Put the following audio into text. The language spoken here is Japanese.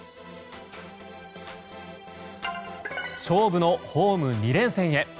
勝負のホーム２連戦へ。